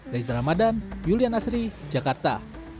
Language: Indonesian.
dari zaramadan julian asri jakarta